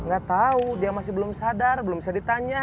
gatau dia masih belum sadar belum bisa ditanya